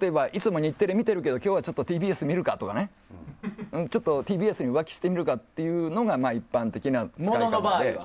例えばいつも日テレを見ているけど今日はちょっとＴＢＳ見るかとかＴＢＳに浮気してみるかとかが一般的な使い方で。